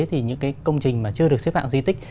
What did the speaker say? thì những công trình chưa được xếp hạng di tích